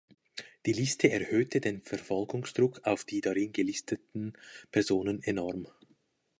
Die Liste erhöhte den Verfolgungsdruck auf die darin gelisteten Personen enorm.